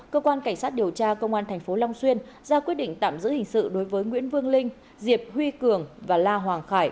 cơ quan cảnh sát điều tra công an tp long xuyên ra quyết định tạm giữ hình sự đối với nguyễn vương linh diệp huy cường và la hoàng khải